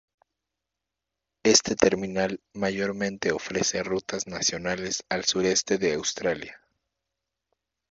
Este terminal mayormente ofrece rutas nacionales al sureste de Australia.